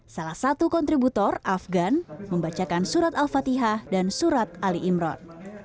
salah satu kontributor afgan membacakan surat al fatihah dan surat ali imron